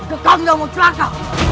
atau kau tidak mau celaka